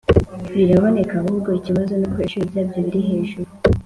Biraboneka ahubwo ikibazo nuko ibiciro byabyo biri hejuru